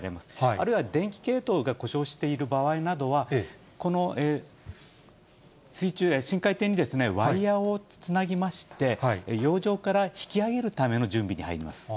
あるいは電気系統が故障している場合などは、この深海底にワイヤをつなぎまして、洋上から引き上げるための準備に入ります。